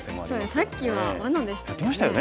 さっきはわなでしたね。